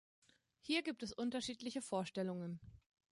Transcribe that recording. Hier gibt es unterschiedliche Vorstellungen.